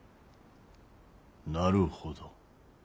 なるほど。